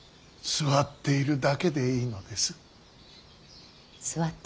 座っているだけでいいみたいですよ。